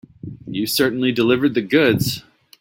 You certainly delivered the goods.